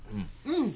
うん。